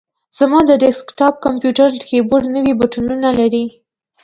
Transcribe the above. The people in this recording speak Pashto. زما د ډیسک ټاپ کمپیوټر کیبورډ نوي بټنونه لري.